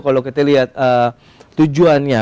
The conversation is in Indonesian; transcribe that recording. kalau kita lihat tujuannya